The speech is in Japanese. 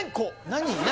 何？